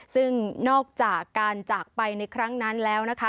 ซึ่งนอกจากการจากไปในครั้งนั้นแล้วนะคะ